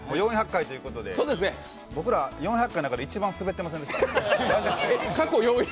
４００回ということで僕ら、４００回の中で一番滑ってませんでした？